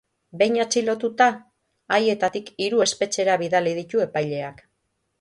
Behin atxilotuta, haietatik hiru espetxera bidali ditu epaileak.